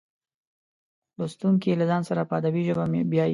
لوستونکي له ځان سره په ادبي ژبه بیایي.